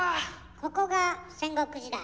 ここが戦国時代？